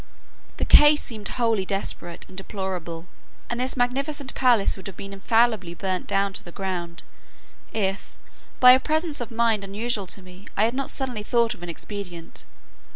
The case seemed wholly desperate and deplorable; and this magnificent palace would have infallibly been burnt down to the ground, if, by a presence of mind unusual to me, I had not suddenly thought of an expedient.